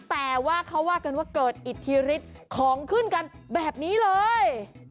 แต่ว่าเขาว่ากันว่าเกิดอิทธิฤทธิ์ของขึ้นกันแบบนี้เลย